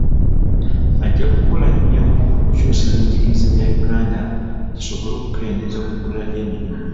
Ajja kukola nnyo okukyusa ebyenjigiriza bya Uganda, kisobole okukendeeza ku bbula ly'emirimu.